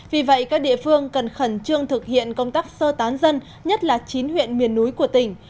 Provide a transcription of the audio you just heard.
vì vậy các địa phương cần khẩn trương thực hiện công tác sơ tán dân nhất là chín huyện miền núi của tỉnh